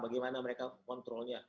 bagaimana mereka kontrolnya